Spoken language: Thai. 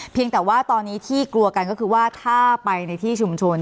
แต่ว่าตอนนี้ที่กลัวกันก็คือว่าถ้าไปในที่ชุมชน